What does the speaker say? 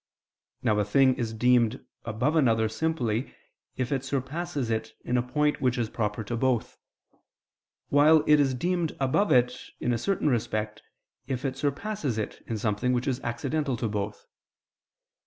Now a thing is deemed above another simply if it surpasses it in a point which is proper to both; while it is deemed above it in a certain respect, if it surpasses it in something which is accidental to both.